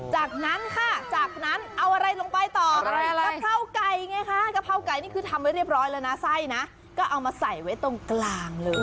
จากนั้นค่ะจากนั้นเอาอะไรลงไปต่อกะเพราไก่ไงคะกะเพราไก่นี่คือทำไว้เรียบร้อยแล้วนะไส้นะก็เอามาใส่ไว้ตรงกลางเลย